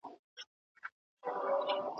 که تاسي غواړئ هېواد مو اباد سي، پلان جوړ کړئ.